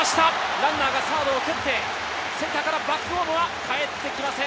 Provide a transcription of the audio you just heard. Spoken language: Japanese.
ランナーがサードを蹴って、センターからバックホームはかえって来ません。